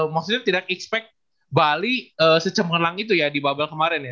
maksudnya tidak expect bali secengerlang itu ya di bubble kemarin ya